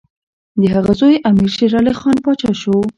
د هغه زوی امیر شېرعلي خان پاچا شو.